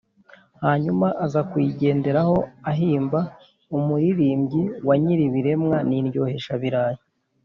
hanyuma aza kuyigenderaho ahimba « umuririmbyi wa nyiribiremwa n’indyoheshabirayi ».